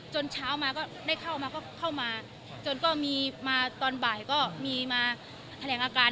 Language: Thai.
เช้ามาก็ได้เข้ามาก็เข้ามาจนก็มีมาตอนบ่ายก็มีมาแถลงอาการ